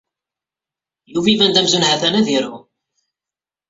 Yuba iban-d amzun ha-t-an ad iru.